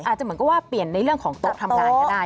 อาจจะเหมือนกับว่าเปลี่ยนในเรื่องของโต๊ะทำงานก็ได้